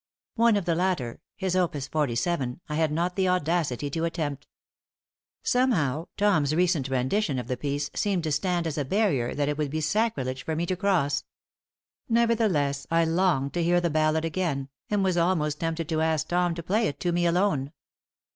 One of the latter, his Opus 47, I had not the audacity to attempt. Somehow, Tom's recent rendition of the piece seemed to stand as a barrier that it would be sacrilege for me to cross. Nevertheless, I longed to hear the ballad again, and was almost tempted to ask Tom to play it to me alone.